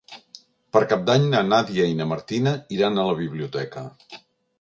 Per Cap d'Any na Nàdia i na Martina iran a la biblioteca.